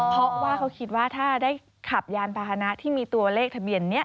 เพราะว่าเขาคิดว่าถ้าได้ขับยานพาหนะที่มีตัวเลขทะเบียนนี้